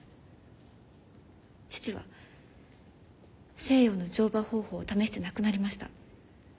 父は西洋の乗馬方法を試して亡くなりました。